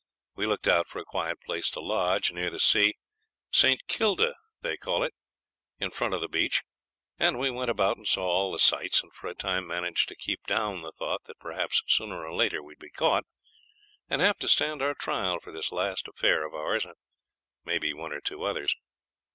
We looked out for a quiet place to lodge, near the sea St. Kilda they call it, in front of the beach and we went about and saw all the sights, and for a time managed to keep down the thought that perhaps sooner or later we'd be caught, and have to stand our trial for this last affair of ours, and maybe one or two others.